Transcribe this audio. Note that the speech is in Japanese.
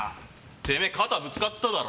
てめえ、肩ぶつかっただろ。